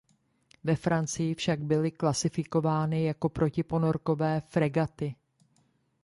Ve Francii však byly klasifikovány jako protiponorkové fregaty.